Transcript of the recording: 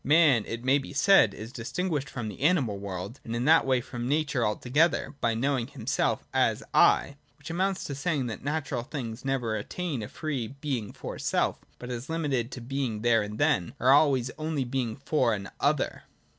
Man, it may be said, is distinguished from the animal world, and in that way from nature altogether, by knowing himself as ' I ': which amounts to saying that natural things never attain a free Being for self, but as limited to Being there and then, are always and only Being for an other.